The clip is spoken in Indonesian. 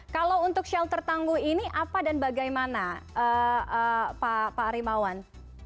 kalau untuk shelter tangguh ini apa dan bagaimana pak rimawan